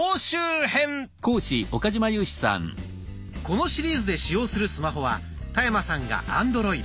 このシリーズで使用するスマホは田山さんがアンドロイド。